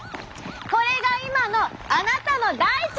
これが今のあなたの大腸です。